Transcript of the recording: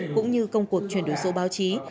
cũng như công cuộc truyền đổi số báo chí